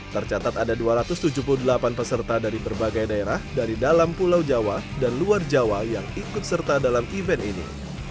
tercatat ada dua ratus tujuh puluh delapan peserta dari berbagai daerah dari dalam pulau jawa dan luar jawa yang ikut serta dalam event ini